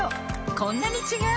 こんなに違う！